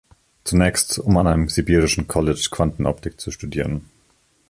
Zunächst, um an einem sibirischen College Quantenoptik zu studieren.